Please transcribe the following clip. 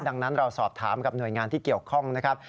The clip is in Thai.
ดังนั้นเราสอบถามกับหน่วยงานที่เกี่ยวข้องนะครับ